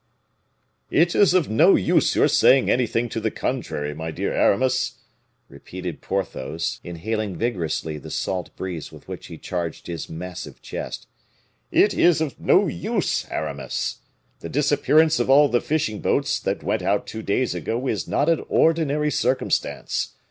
"If is of no use your saying anything to the contrary, my dear Aramis," repeated Porthos, inhaling vigorously the salt breeze with which he charged his massive chest, "It is of no use, Aramis. The disappearance of all the fishing boats that went out two days ago is not an ordinary circumstance.